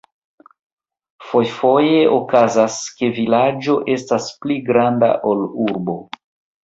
Fojfoje okazas, ke vilaĝo estas pli granda ol urbo.